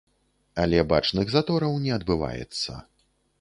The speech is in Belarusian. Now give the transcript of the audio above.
Але бачных затораў не адбываецца.